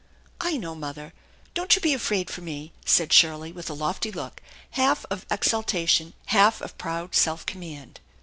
" I know ; mother ; don't you be afraid for me !" said Shirley with a lofty look, half of exultation, half of proud self command.